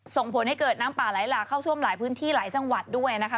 ส่งผลให้เกิดน้ำป่าไหลหลากเข้าท่วมหลายพื้นที่หลายจังหวัดด้วยนะคะ